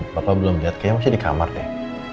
bapak belum lihat kayaknya masih di kamar deh